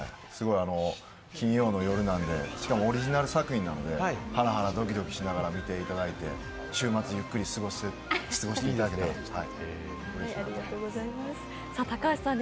金曜の夜なので、しかもオリジナル作品なので、ハラハラドキドキしながら見ていただいて、週末ゆっくり過ごしていただけたら、はい。